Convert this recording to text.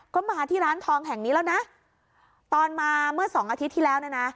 ก็มาที่ร้านทองแห่งนี้แล้วนะตอนมาเมื่อสองอาทิตย์ที่แล้วเนี่ยนะ